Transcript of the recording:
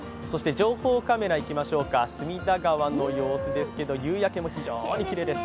情報カメラ、いきましょうか、隅田川の様子ですけれども、夕焼けも非常にきれいです。